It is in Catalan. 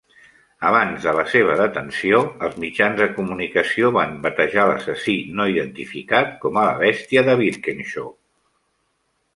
Abans de la seva detenció, els mitjans de comunicació van batejar l'assassí no identificat com a "la bèstia de Birkenshaw".